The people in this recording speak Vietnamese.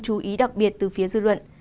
chú ý đặc biệt từ phía dư luận